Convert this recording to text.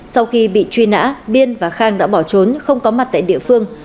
sau khi bị truy nã biên và khang đã bỏ trốn không có mặt tại địa phương